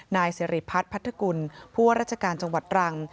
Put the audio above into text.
นายสิริพัฒน์พัทธกุลผู้ว่าราชการจังหวัดตรัง